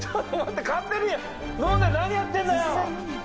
勝手に飲んで何やってんだよ！